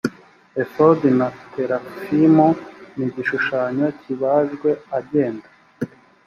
efodi na terafimu n igishushanyo kibajwe agenda